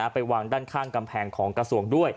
ไปวางด้านข้างกำแพงของกระทรวงด้วย